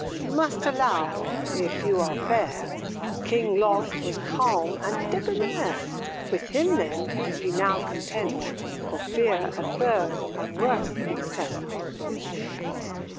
You must allow, if you are fair, King Log was calm and debonair: With him, then, be ye now content, For fear a third, and worse, be sent."